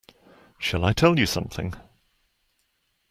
Shall I tell you something?